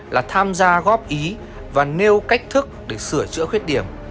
là tham gia góp ý và nêu cách thức để sửa chữa khuyết điểm